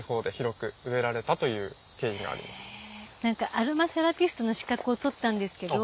アロマセラピストの資格を取ったんですけど。